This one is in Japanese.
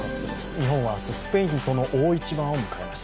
日本は明日、スペインとの大一番を迎えます。